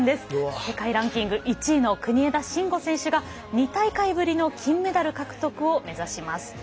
世界ランキング１位の国枝慎吾選手が２大会ぶりの金メダル獲得を目指します。